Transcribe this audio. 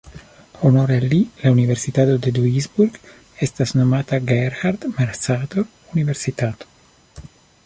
Honore al li la universitato de Duisburg estas nomata Gerhard-Mercator-Universitato.